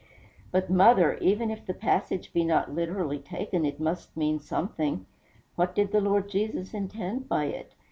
"But, mother, even if the passage be not literally taken, it must mean something. What did the Lord Jesus intend by it?